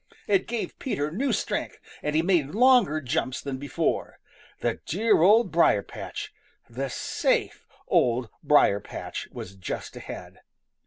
It gave Peter new strength, and he made longer jumps than before. The dear Old Briar patch, the safe Old Briar patch, was just ahead.